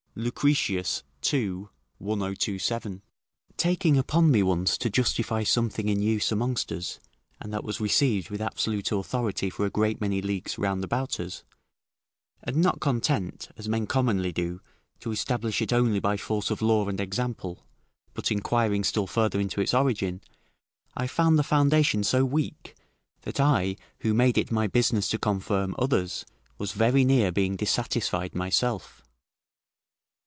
Lucretius, ii. 1027] Taking upon me once to justify something in use amongst us, and that was received with absolute authority for a great many leagues round about us, and not content, as men commonly do, to establish it only by force of law and example, but inquiring still further into its origin, I found the foundation so weak, that I who made it my business to confirm others, was very near being dissatisfied myself.